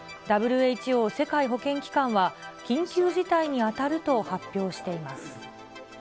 ＷＨＯ・世界保健機関は、緊急事態に当たると発表しています。